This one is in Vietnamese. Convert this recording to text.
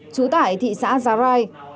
chú tải thị xã gia rai